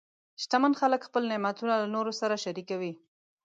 شتمن خلک خپل نعمتونه له نورو سره شریکوي.